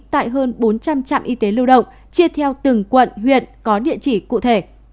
tại hơn bốn trăm linh trạm y tế lưu động chia theo từng quận huyện có địa chỉ cụ thể